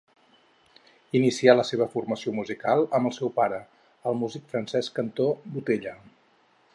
Inicià la seva formació musical amb el seu pare, el músic Francesc Cantó Botella.